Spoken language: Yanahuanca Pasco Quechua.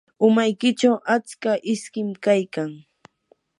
umaykichu atska iskim kaykan.